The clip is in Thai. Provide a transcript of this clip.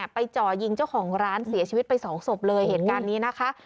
จ่อยิงเจ้าของร้านเสียชีวิตไปสองศพเลยเหตุการณ์นี้นะคะ